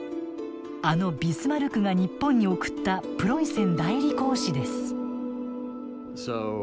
あのビスマルクが日本に送ったプロイセン代理公使です。